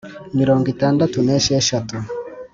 Mirongo itandatu n esheshatu